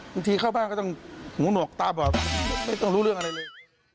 บางทีเข้าบ้านก็ต้องหงุกหนกตาบ่าไม่ต้องรู้เรื่องอะไรเลย